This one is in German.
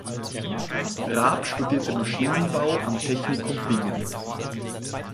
Raab studierte Maschinenbau am Technikum Bingen.